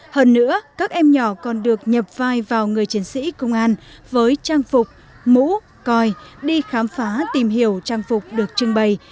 hơn nữa các em nhỏ còn được nhập vai vào người chiến sĩ công an với trang phục mũ coi đi khám phá tìm hiểu trang phục được trưng bày